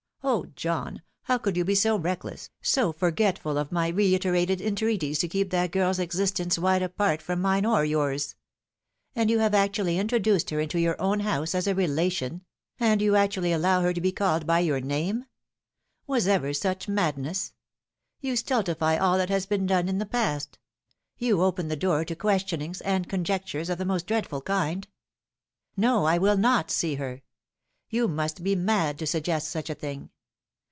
0, John, how could you be so reckless, so forgetful of my reiterated entreaties to keep that girl's existence wide apart from mine or yours ? And you have actually introduced her into your own house as a relation ; and you actually allow her to be called by your name I Was ever such madness ? You stultify all that has been done in the past. You open the door to questionings and conjectures of the most dreadful kind. No, I will not see her. You must be mad to suggest such a thing.